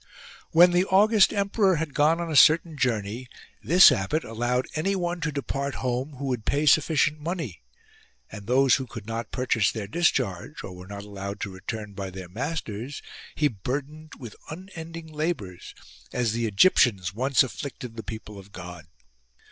When the august emperor had gone on a certain journey, this abbot allowed anyone to depart home who would pay sufficient money : and those who could noe purchase their discharge, or were not allowed to return by their masters, he burdened with unending labours, as the Egyptians once afflicted the people of God.